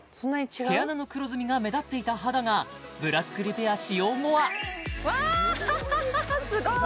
毛穴の黒ずみが目立っていた肌がブラックリペア使用後はわすごい！